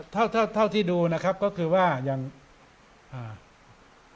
อ๋อแต่ละจุดอ่าเท่าที่ดูนะครับก็คือว่ายังอ่า